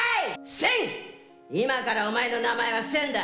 千、今からおまえの名前は千だ。